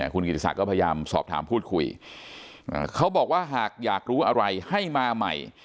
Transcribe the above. คุณกิติศักดิ์ก็พยายามสอบถามพูดคุยเขาบอกว่าหากอยากรู้อะไรให้มาใหม่